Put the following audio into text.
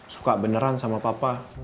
suka beneran sama papa